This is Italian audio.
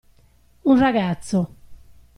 Un ragazzo!